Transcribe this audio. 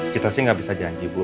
kita sih nggak bisa janji bu